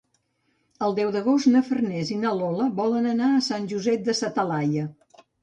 El deu d'agost na Farners i na Lola volen anar a Sant Josep de sa Talaia.